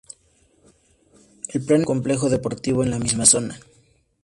El plan incluye un complejo deportivo en la misma zona.